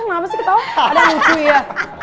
ngapasih ketauan ada yang lucu ya